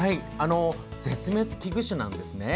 絶滅危惧種なんですね。